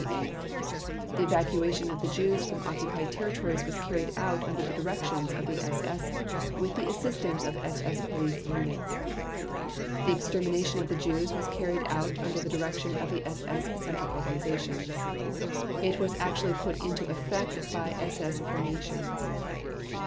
The evacuation of the Jews from occupied territories was carried out under the directions of the SS with the assistance of SS Police units. The extermination of the Jews was carried out under the direction of the SS Central Organizations. It was actually put into effect by SS formations.